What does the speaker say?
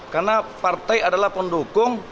karena partai adalah pendukung